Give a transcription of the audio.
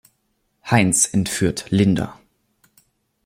Heinz entführt Linda.